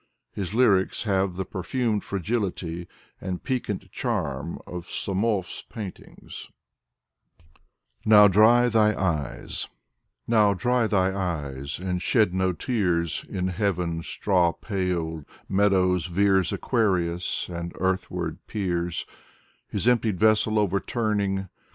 His lyrics have the jferfumed fragility and piquant charm of SomoVs paintings. 118 Mikhail Kuzmin 119 « NOW DRY THY EYES 9» Now dry thy eyes, and shed no tears. In heaven's straw pale meadows veers Aquarius, and earthward peers, His emptied vessel overturning.